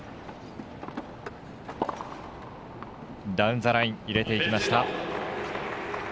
ダウンザライン入れていきました。